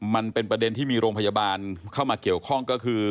มันเป็นประเด็นที่มีโรงพยาบาลเข้ามาเกี่ยวข้องก็คือ